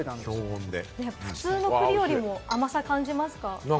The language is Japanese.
普通の栗よりも甘さを感じますか？